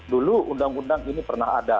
dulu undang undang ini pernah ada